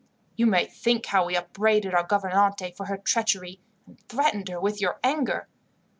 "You may think how we upbraided our gouvernante for her treachery, and threatened her with your anger.